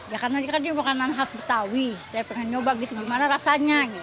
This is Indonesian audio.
ya karena ini kan dia makanan khas betawi saya pernah nyoba gitu gimana rasanya